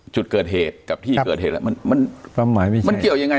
จุดเกิดเหตุกับที่เกิดเหตุแล้วมันมันความหมายไม่มีมันเกี่ยวยังไง